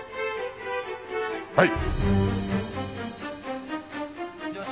はい！